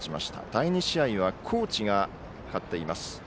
第２試合は高知が勝っています。